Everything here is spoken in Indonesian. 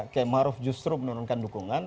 karena ma'ruf justru menurunkan dukungan